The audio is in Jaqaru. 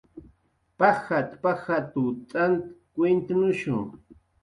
"Pajat"" pajat""w t'ant kuytnushu"